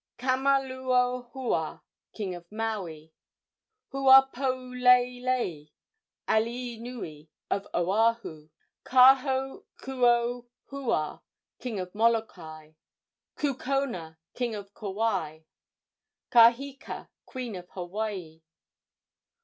Kamaluohua, king of Maui. Huapouleilei, alii nui of Oahu. Kahokuohua, king of Molokai. Kukona, king of Kauai. Kaheka, queen of Hawaii.